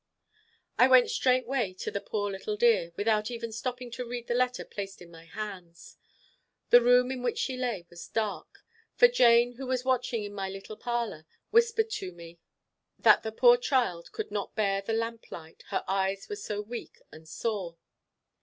I went straightway to the poor little dear, without even stopping to read the letter placed in my hands. The room in which she lay was dark; for Jane, who was watching in my little parlour, whispered to me that the poor child could not bear the lamp light, her eyes were so weak and sore.